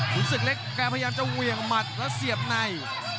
ขุนศกเล็กแพทย์เปรย์อย่างจะเวี่ยงมัดแล้วเปรียบใน